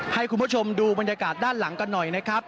ให้คุณผู้ชมดูบรรยากาศด้านหลังกันหน่อยนะครับ